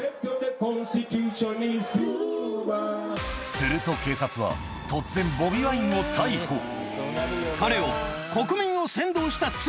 すると警察は突然彼を。